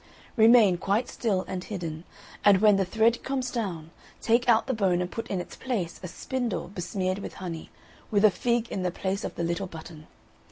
Remain quite still and hidden, and when the thread comes down, take out the bone and put in its place a spindle besmeared with honey, with a fig in the place of the little button.